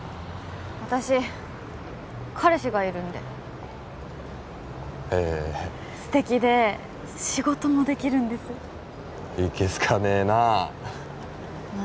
私彼氏がいるんでへ素敵で仕事もできるんですいけすかねえなあ